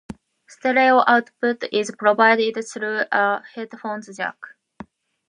Stereo output is provided through a headphones jack.